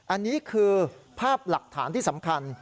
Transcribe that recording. อันนี้คือภาพหลักฐานที่สำคัญ